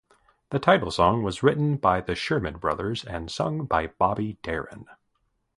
The title song was written by the Sherman Brothers and sung by Bobby Darin.